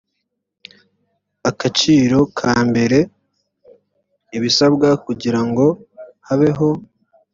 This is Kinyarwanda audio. akaciro ka mbere ibisabwa kugira ngo habeho